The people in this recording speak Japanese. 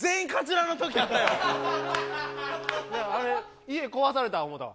あれ家壊された思うたわ。